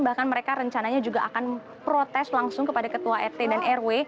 bahkan mereka rencananya juga akan protes langsung kepada ketua rt dan rw